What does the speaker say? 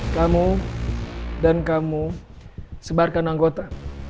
kamu dan kamu sebarkan anggota